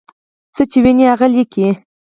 څه چې ویني هغه لیکي.